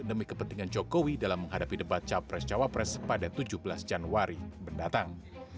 demi kepentingan jokowi dalam menghadapi debat capres cawapres pada tujuh belas januari mendatang